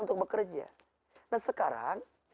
untuk bekerja nah sekarang